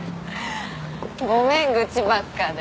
ごめん愚痴ばっかで。